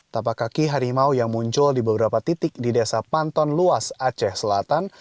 tapak kaki harimau yang muncul di beberapa titik di desa panton luas aceh selatan